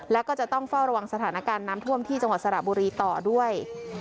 แล้วก็จะต้องเฝ้าระวังสถานการณ์น้ำท่วมที่จังหวัดสระบุรีต่อด้วย